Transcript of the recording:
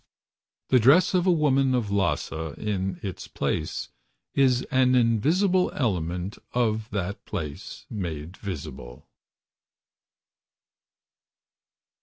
The dress of a woman of Lhassa, In its place. Is an invisible element of that place Made visible.